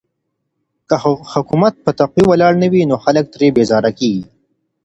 که حکومت پر تقوی ولاړ نه وي نو خلګ ترې بېزاره کيږي.